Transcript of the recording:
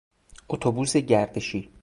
اتوبوس گردشی